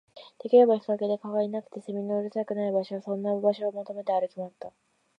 できれば日陰で、蚊がいなくて、蝉がうるさくない場所、そんな場所を求めて歩き回った